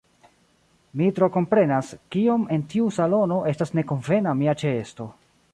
Mi tro komprenas, kiom en tiu salono estas nekonvena mia ĉeesto.